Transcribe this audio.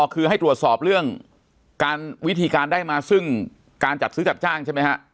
คือให้ตรวจสอบเรื่องการวิธีการได้มาซึ่งการจัดซื้อจัดจ้างใช่ไหมฮะ